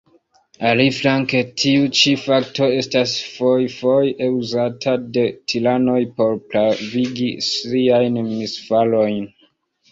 Aliflanke tiu ĉi fakto estas fojfoje uzata de tiranoj por pravigi siajn misfarojn.